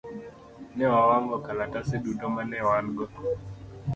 Ne wawang'o kalatese duto ma ne wan go.